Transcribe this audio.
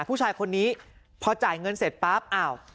ผู้ชายคนนี้พอจ่ายเงินเสร็จปั๊บอ้าว